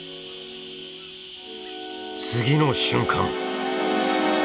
次の瞬間！